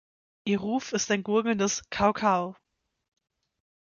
Ihr Ruf ist ein gurgelndes „Kau-Kau“.